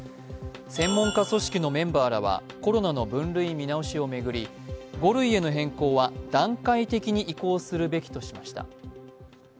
専門家組織のメンバーらはコロナの分類見直しを巡り、５類への変更は段階的に移行するべきとしました。